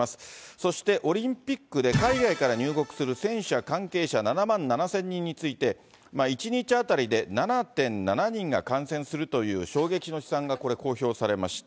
そして、オリンピックで海外から入国する選手や関係者７万７０００人について、１日当たりで７．７人が感染するという衝撃の試算がこれ、公表されました。